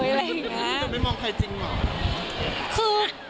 ไม่ได้มองใครจริงหรอ